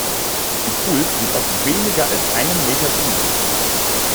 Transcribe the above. Die Pools sind oft weniger als einen Meter tief.